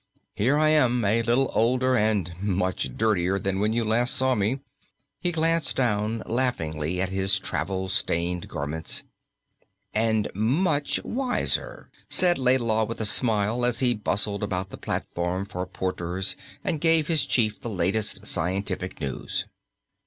"Here I am a little older, and much dirtier than when you last saw me!" He glanced down laughingly at his travel stained garments. "And much wiser," said Laidlaw, with a smile, as he bustled about the platform for porters and gave his chief the latest scientific news.